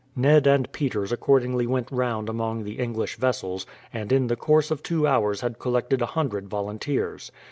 Ned and Peters accordingly went round among the English vessels, and in the course of two hours had collected a hundred volunteers.